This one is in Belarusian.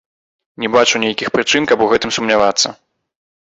Не бачу нейкіх прычын, каб у гэтым сумнявацца.